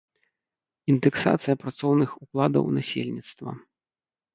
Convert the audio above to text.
Індэксацыя працоўных укладаў насельніцтва.